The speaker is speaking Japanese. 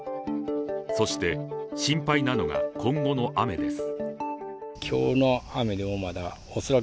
そして心配なのが今後の雨です。